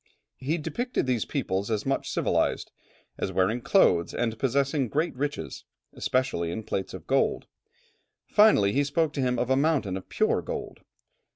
He depicted these people as much civilized, as wearing clothes, and possessing great riches, especially in plates of gold; finally, he spoke to him of a mountain of pure gold.